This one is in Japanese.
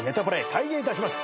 開演いたします。